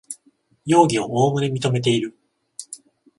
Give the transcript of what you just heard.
容疑をおおむね認めている